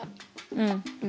うん。